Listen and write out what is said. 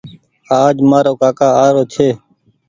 آج مآرو ڪآڪآ آرو ڇي